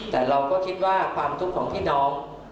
แต่เราก็คิดว่าความทุกข์ของพี่น้อง